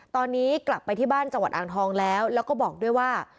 ตอนนี้กลับไปที่บ้านจังหวัดอ่างทองแล้วแล้วก็บอกด้วยว่า